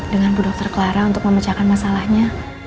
dengan bu dokter kelara untuk memecahkan masalahnya